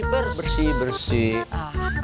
bersih bersih bersih